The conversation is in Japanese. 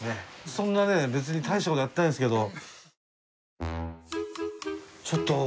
そんなね別に大したことやってないんですけど。